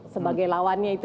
sebagai lawannya itu